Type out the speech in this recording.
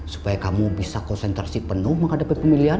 supaya kamu bisa konsentrasi penuh menghadapi pemilihan